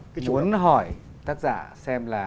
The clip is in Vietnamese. muốn hỏi tác giả xem là